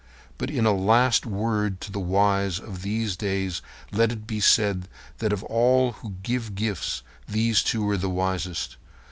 But in a last word to the wise of these days let it be said that of all who give gifts these two were the wisest.